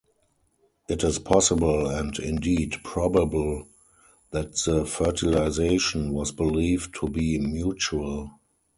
It is possible and indeed probable that the fertilization was believed to be mutual.